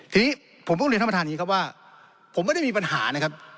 ทีนี้ผมต้องเรียนท่านประธานนี้ครับว่าผมไม่ได้มีปัญหานะครับ